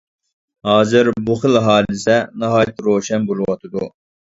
ھازىر بۇ خىل ھادىسە ناھايىتى روشەن بولۇۋاتىدۇ.